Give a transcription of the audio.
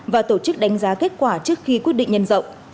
và tổ chức đánh giá kết quả trước khi quyết định nhân rộng